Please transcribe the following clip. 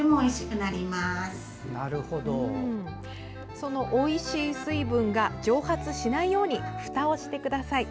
そのおいしい水分が蒸発しないようにふたをしてください。